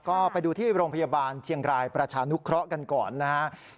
ก็ไปดูที่โรงพยาบาลเชียงรายประชานุเคราะห์กันก่อนนะครับ